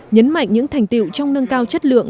nhấn mạnh những thành tiệu trong nâng cao chất lượng